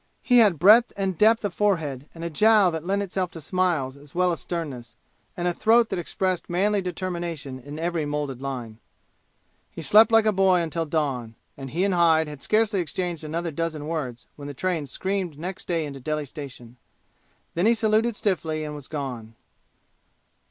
He had breadth and depth of forehead and a jowl that lent itself to smiles as well as sternness, and a throat that expressed manly determination in every molded line. He slept like a boy until dawn; and he and Hyde had scarcely exchanged another dozen words when the train screamed next day into Delhi station. Then he saluted stiffly and was gone.